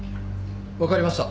分かりました。